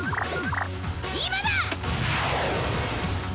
今だ！